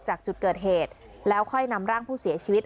จากจุดเกิดเหตุแล้วค่อยนำร่างผู้เสียชีวิต